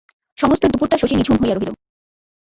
সমস্ত দুপুরটা শশী নিঝুম হইয়া রহিল।